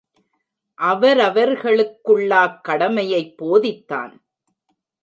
அவரவர்களுக்குள்ளாக் கடமையைப் போதித்தான்.